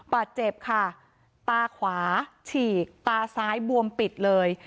บาดเจ็บค่ะตาขวาฉีกตาซ้ายบวมปิดเลย